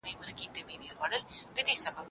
جورج هانا